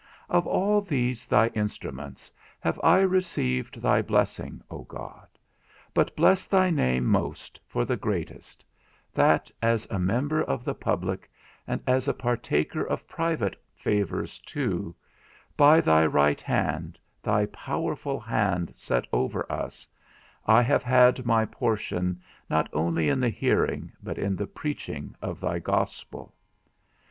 Of all these thy instruments have I received thy blessing, O God; but bless thy name most for the greatest; that, as a member of the public, and as a partaker of private favours too, by thy right hand, thy powerful hand set over us, I have had my portion not only in the hearing, but in the preaching of thy Gospel.